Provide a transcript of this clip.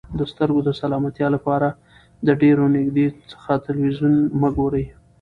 د سترګو د سلامتیا لپاره د ډېر نږدې څخه تلویزیون مه ګورئ.